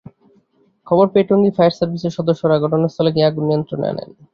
খবর পেয়ে টঙ্গী ফায়ার সার্ভিসের সদস্যরা ঘটনাস্থলে গিয়ে আগুন নিয়ন্ত্রণে আনেন।